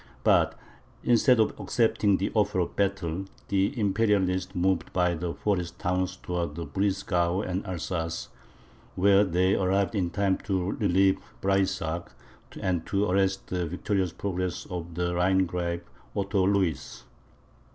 But, instead of accepting the offer of battle, the Imperialists moved by the Forest towns towards Briesgau and Alsace, where they arrived in time to relieve Breysack, and to arrest the victorious progress of the Rhinegrave, Otto Louis.